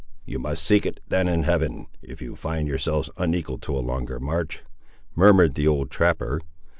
"You must seek it then in Heaven, if you find yourselves unequal to a longer march," murmured the old trapper.